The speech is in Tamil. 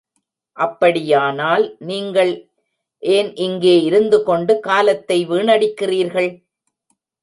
அப்படியானால், நீங்கள் என் இங்கே இருந்துகொண்டு காலத்தை வீணடிக்கிறீர்கள்?